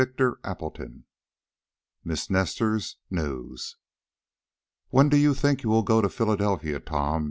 CHAPTER II MISS NESTOR'S NEWS "When do you think you will go to Philadelphia, Tom?"